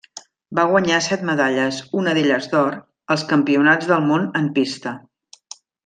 Va guanyar set medalles, una d'elles d'or, als Campionats del Món en pista.